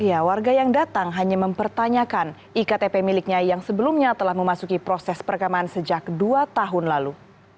ya warga yang datang hanya mempertanyakan iktp miliknya yang sebelumnya telah memasuki proses perekaman sejak dua tahun lalu